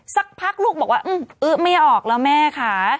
สักพักลูกบอกว่าอึ๊ไม่ออกแล้วแม่ค่ะ